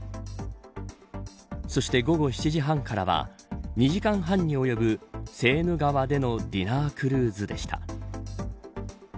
そして、午後７時半からは２時間半に及ぶセーヌ川でのディナークルーズでした。